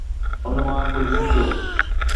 ان مان ڪجهه سکيو.